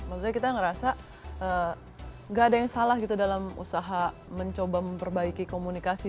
maksudnya kita ngerasa gak ada yang salah gitu dalam usaha mencoba memperbaiki komunikasi